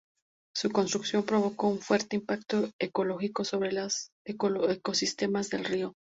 Su construcción provocó un fuerte impacto ecológico sobre los ecosistemas del río.